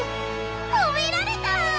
ほめられた！